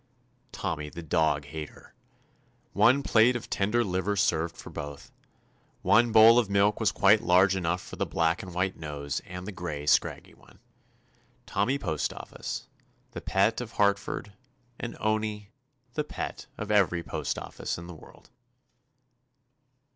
Tommy the dog hater I One plate of tender liver served for both. One bowl of milk was quite large enough for the black and white nose and the gray scraggy one. Tommy Postoffice, the pet of Hartford, and Owney, the pet of every postoffice in the world.